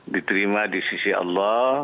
diterima di sisi allah